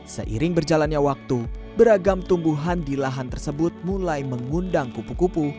seiring berjalannya waktu beragam tumbuhan di lahan tersebut mulai mengundang kupu kupu